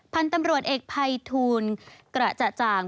พันธุ์ตำรวจเอกภัยทูลกระจ่าง